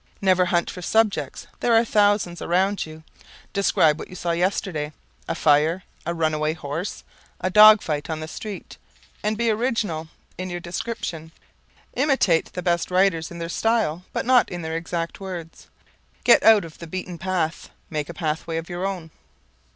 Never hunt for subjects, there are thousands around you. Describe what you saw yesterday a fire, a runaway horse, a dog fight on the street and be original in your description. Imitate the best writers in their style, but not in their exact words. Get out of the beaten path, make a pathway of your own.